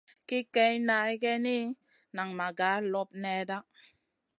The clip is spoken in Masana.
Ki kaï na geyni, nan ma gar loɓ nèhda.